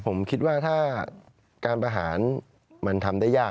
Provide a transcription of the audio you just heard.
ผมคิดว่าถ้าการประหารมันทำได้ยาก